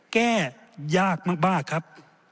แก้ยากมากครับ